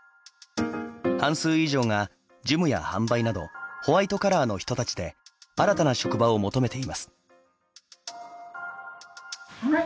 半数以上が事務や販売などホワイトカラーの人たちで新たな職場を求めています。